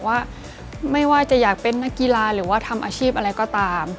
ว่าไม่ว่าจะอยากเป็นนักกีฬาหรือว่าทำอาชีพอะไรก็ตาม